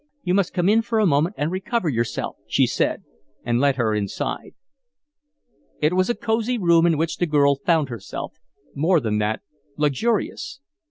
"You must come in for a moment and recover yourself," she said, and led her inside. It was a cosey room in which the girl found herself more than that luxurious.